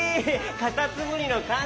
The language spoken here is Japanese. カタツムリのかんせい。